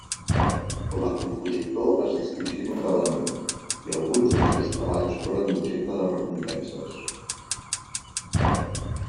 Com a compositor es distingí notablement, i alguns dels seus treballs foren objecte de recompenses.